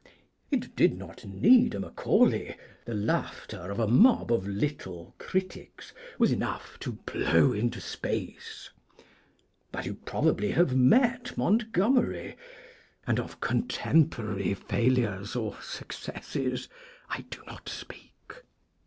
It did not need a Macaulay, the laughter of a mob of little critics was enough to blow into space; but you probably have met Montgomery, and of contemporary failures or successes I do not speak.